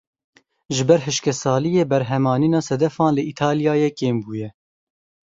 Ji ber hişkesaliyê berhemanîna sedefan li Îtalyayê kêm bûye.